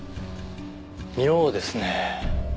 妙ですねぇ。